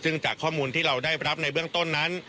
ซึ่งจากข้อมูลที่เราได้รับในเบื้องต้นนั้น